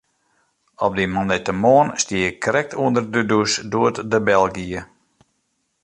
Op dy moandeitemoarn stie ik krekt ûnder de dûs doe't de bel gie.